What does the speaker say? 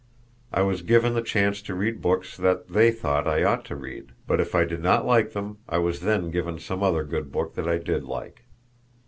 I was given the chance to read books that they thought I ought to read, but if I did not like them I was then given some other good book that I did like.